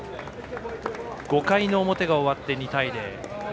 ５回の表が終わって２対０。